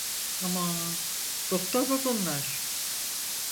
Aman! Doktor mu bunlar…